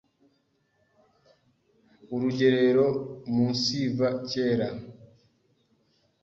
Urugerero umunsiva kera,